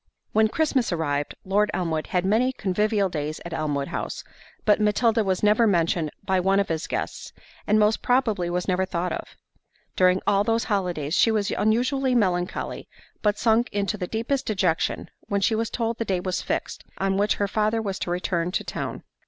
When Christmas arrived, Lord Elmwood had many convivial days at Elmwood House, but Matilda was never mentioned by one of his guests, and most probably was never thought of. During all those holidays, she was unusually melancholy, but sunk into the deepest dejection when she was told the day was fixed, on which her father was to return to town.